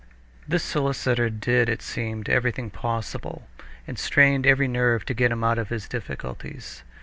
This solicitor did, it seemed, everything possible, and strained every nerve to get him out of his difficulties.